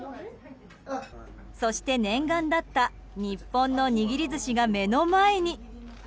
そして、念願だった日本の握り寿司が目の前に。